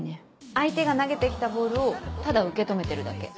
相手が投げてきたボールをただ受け止めてるだけ。